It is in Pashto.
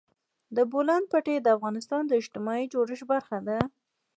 د بولان پټي د افغانستان د اجتماعي جوړښت برخه ده.